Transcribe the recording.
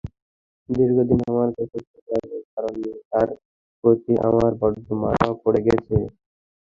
দীর্ঘদিন আমার কাছে থাকার কারণে তার প্রতি আমার বড্ড মায়াও পড়ে গেছে।